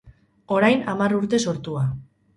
Orain hamar urte sortua.